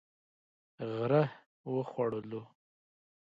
غره و خوړلو.